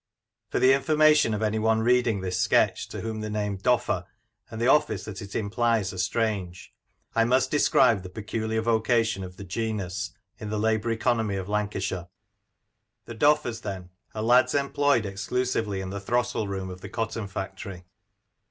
For the information of any one reading this sketch to whom the name " Doffer " and the office it implies are strange, I must describe the pecu liar vocation of the genus in the labour economy of Lancashire. The Doffers, then, are lads employed exclusively in the throstle room of the cotton factory.